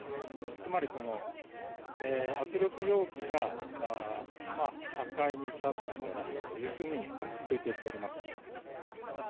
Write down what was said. つまり、圧力容器が破壊に至ったんじゃないかというふうに推定しておりま